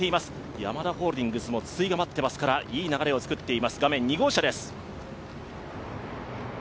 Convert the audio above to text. ヤマダホールディングスも筒井が待ってますからいい流れです。